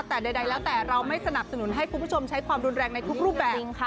แต่ใดแล้วแต่เราไม่สนับสนุนให้คุณผู้ชมใช้ความรุนแรงในทุกรูปแบบจริงค่ะ